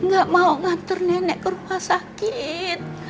gak mau ngatur nenek ke rumah sakit